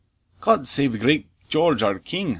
"God save great George our King!"